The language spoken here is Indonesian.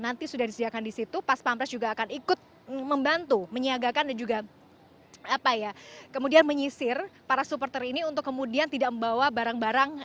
nanti sudah disediakan di situ pas pampres juga akan ikut membantu menyiagakan dan juga kemudian menyisir para supporter ini untuk kemudian tidak membawa barang barang